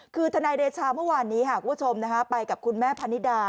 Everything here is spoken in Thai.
คือทนายเดชาเมื่อวานนี้คุณผู้ชมไปกับคุณแม่พันนิดา